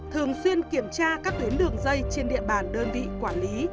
thường xuyên kiểm tra các tuyến đường dây trên địa bàn đơn vị quản lý